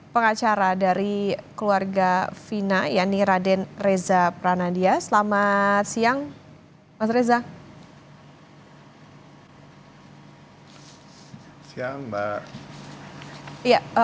pengacara dari keluarga fina yani raden reza pranadia selamat siang mas reza